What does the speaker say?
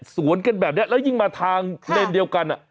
สวนกันแบบนี้แล้วยิ่งมาทางเลนเดียวกัน